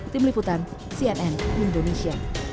tim liputan cnn indonesia